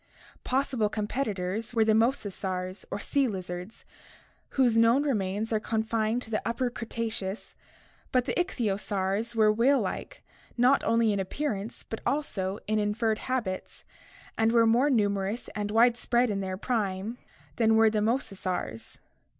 Possible competitors were the mosasaurs or sea lizards, whose known remains are con fined to the Upper Cretaceous, but the ichthyosaurs were whale like, not only in appearance but also in inferred habits, and were more numerous and widespread in their prime than were the mosa saurs.